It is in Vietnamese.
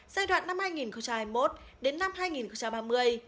giai đoạn năm hai nghìn hai mươi một đến năm hai nghìn ba mươi